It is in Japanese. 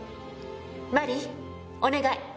マリーお願い。